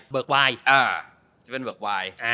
เบิร์กวาย